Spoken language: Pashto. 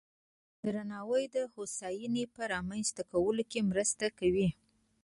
درناوی د هوساینې په رامنځته کولو کې مرسته کوي.